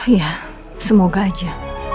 iya semoga aja